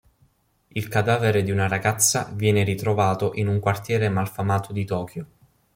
Il cadavere di una ragazza viene ritrovato in un quartiere malfamato di Tokyo.